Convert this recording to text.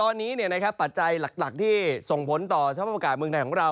ตอนนี้ปัจจัยหลักที่ส่งผลต่อสภาพอากาศเมืองไทยของเรา